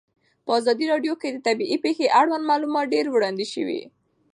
په ازادي راډیو کې د طبیعي پېښې اړوند معلومات ډېر وړاندې شوي.